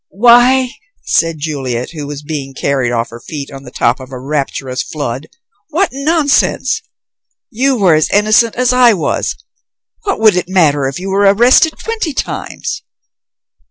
"Why," said Juliet, who was being carried off her feet on the top of a rapturous flood, "what nonsense! You were as innocent as I was. What would it matter if you were arrested twenty times!"